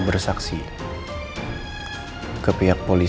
kita akan adam fe lin